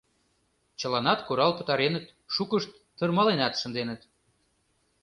Чыланат курал пытареныт, шукышт тырмаленат шынденыт.